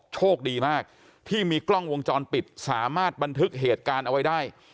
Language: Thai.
โชคดีมากที่มีกล้องวงจรปิดสามารถบันทึกเหตุการณ์เอาไว้ได้